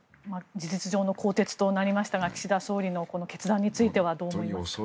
事実上の更迭となりましたが岸田総理の決断についてはどう思いますか。